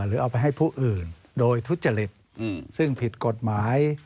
อื่นโดยทุษฎฤทธิ์ซึ่งผิดกฎหมาย